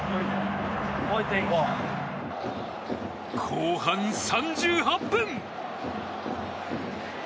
後半３８分。